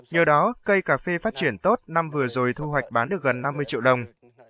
nhờ đó cây cà phê phát triển tốt năm vừa rồi thu hoạch bán được gần năm mươi triệu đồng